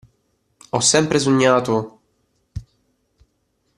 Ho sempre sognato.